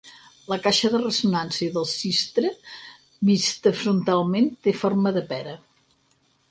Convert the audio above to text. La caixa de ressonància del cistre, vista frontalment, té forma de pera.